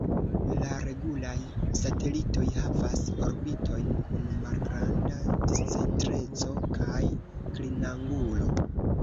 La regulaj satelitoj havas orbitojn kun malgranda discentreco kaj klinangulo.